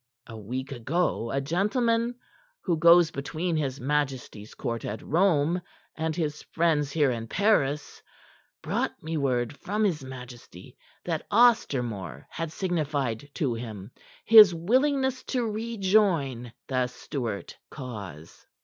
A week ago a gentleman who goes between his majesty's court at Rome and his friends here in Paris brought me word from his majesty that Ostermore had signified to him his willingness to rejoin the Stuart cause.